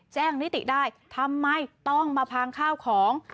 นิติได้ทำไมต้องมาพังข้าวของ